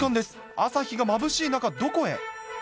朝日がまぶしい中どこへ？